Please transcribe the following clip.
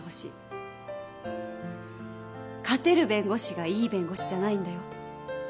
勝てる弁護士がいい弁護士じゃないんだよ。